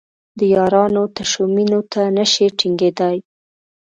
د یارانو تشو مینو ته نشي ټینګېدای.